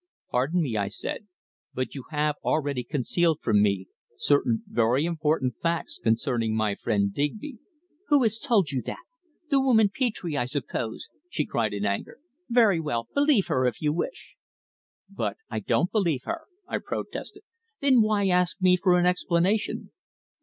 "Pardon me," I said; "but you have already concealed from me certain very important facts concerning my friend Digby." "Who has told you that? The woman Petre, I suppose," she cried in anger. "Very well, believe her, if you wish." "But I don't believe her," I protested. "Then why ask me for an explanation?"